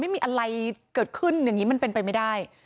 ไม่มีอะไรเกิดขึ้นอย่างนี้มันเป็นไปไม่ได้